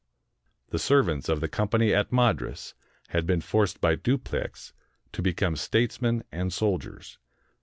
The servants of the Company at Madras had been forced by Dupleix to become statesmen and soldiers.